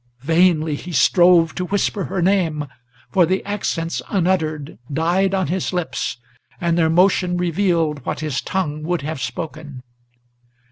Vainly he strove to whisper her name, for the accents unuttered Died on his lips, and their motion revealed what his tongue would have spoken.